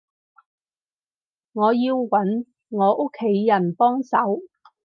我要揾我屋企人幫手